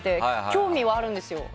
興味はあるんですよ。